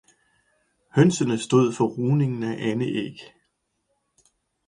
Hønsene stod for rugning af andeæg.